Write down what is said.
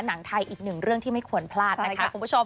หนังไทยอีกหนึ่งเรื่องที่ไม่ควรพลาดนะคะคุณผู้ชม